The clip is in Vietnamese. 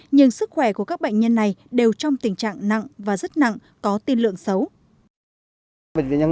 nhưng sức khỏe của các bệnh nhân này đều trong tình trạng nặng và rất nặng có tin lượng xấu